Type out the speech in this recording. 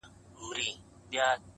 راته يادېږې شپه كړم څنگه تېره ـ